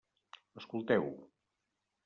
Escolteu.